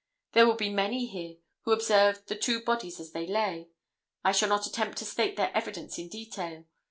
There will be many here who observed the two bodies as they lay. I shall not attempt to state their evidence in detail.